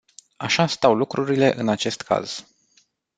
Așa stau lucrurile în acest caz.